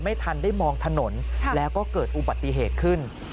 ไม่ทันได้มองถนนแล้วก็เกิดอุบัติเหตุขึ้น